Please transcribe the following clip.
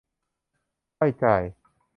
ค่อยจ่าย